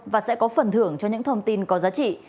và sẽ có phần thưởng cho những thông tin có giá trị